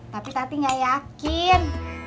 tapi tati nggak yakin